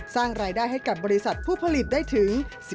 สร้างรายได้ให้กับบริษัทผู้ผลิตได้ถึง